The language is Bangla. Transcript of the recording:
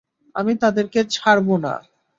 আমি তাদেরকে ছাড়বো না।